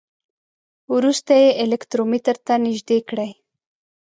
وروسته یې الکترومتر ته نژدې کړئ.